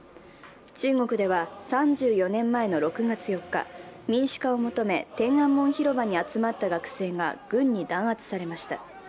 中国では３４年前の６月４日、民主化を求め天安門広場に集まった学生が軍に弾圧されました。